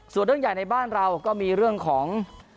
ส่วนเรื่องใหญ่ในบ้านเราก็มีเรื่องของ